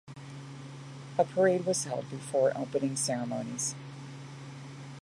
A parade was held before opening ceremonies.